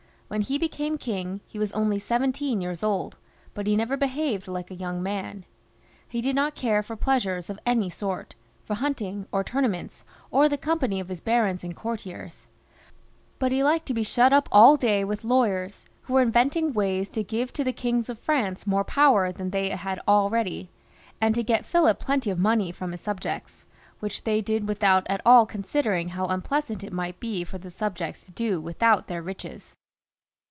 When he became king, he was only seventeen years old, but he never behaved like a young man. He did not care for pleasures of any sort, for hunting, or tournaments, or the company of his barons and courtiers ; but he liked to be shut up all day with lawyers, who were inventing ways to give to the kings of France more power than they had already, and to get Philip plenty of money from his subjects, which they did without at all considering how unpleasant it might be for the subjects to do without their riches.